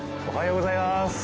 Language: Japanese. おはようございます。